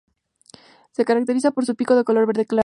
Se caracteriza por su pico de color verde claro.